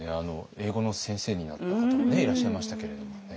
英語の先生になった方もねいらっしゃいましたけれどもね。